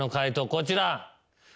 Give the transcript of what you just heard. こちら。